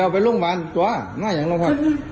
ไปร่วงบ้านตัวมาอย่างละพ่อ